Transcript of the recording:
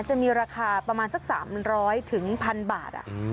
จะมีราคาประมาณสัก๓๐๐๑๐๐บาท